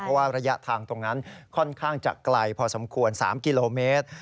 เพราะว่าระยะทางตรงนั้นค่อนข้างจะไกลพอสมควร๓กิโลเมตร